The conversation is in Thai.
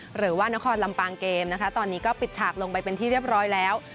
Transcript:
หรือว่านครลำปางเกมนะคะตอนนี้ก็ปิดฉากลงไปเป็นที่เรียบร้อยแล้ว